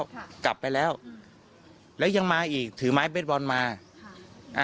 ค่ะกลับไปแล้วแล้วยังมาอีกถือไม้เบสบอลมาค่ะอ่า